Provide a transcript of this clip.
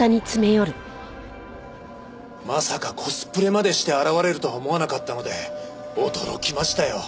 まさかコスプレまでして現れるとは思わなかったので驚きましたよ。